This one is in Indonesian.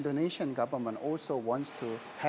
dan kami juga sedang bersiap untuk prosesnya